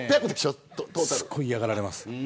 すごい嫌がられます。